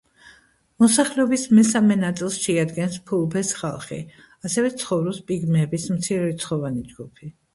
მოსახლეობის მესამე ნაწილს შეადგენს ფულბეს ხალხი, ასევე ცხოვრობს პიგმეების მცირერიცხოვანი ჯგუფი.